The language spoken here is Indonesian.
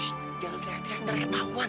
shh jangan terakhir ntar ketahuan